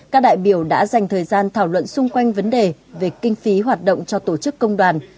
các đại biểu đã dành thời gian thảo luận xung quanh vấn đề về kinh phí hoạt động cho tổ chức công đoàn